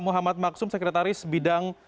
muhammad maksum sekretaris bidang